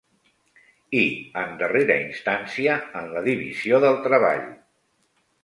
I, en darrera instància, en la divisió del treball.